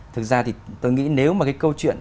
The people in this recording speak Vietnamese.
thực ra thì tôi nghĩ nếu mà cái câu chuyện